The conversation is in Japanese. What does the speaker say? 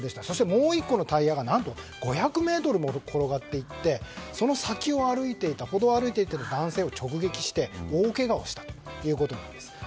そして、もう１個のタイヤが何と５００ｍも転がっていって、その先の歩道を歩いていた男性を直撃して大けがをしたということなんです。